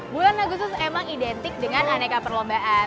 bulan agustus emang identik dengan aneka perlombaan